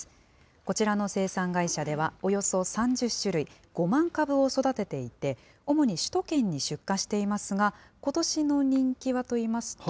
こちらの生産会社では、およそ３０種類、５万株を育てていて、主に首都圏に出荷していますが、ことしの人気はといいますと。